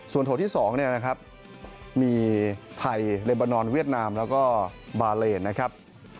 ส่วนโถที่๒เนี่ยนะครับมีไทยเลบานอนเวียดนามแล้วก็บาเลนนะครับ